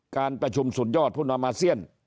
การประชุมสุดยอดผู้นำอาเซียน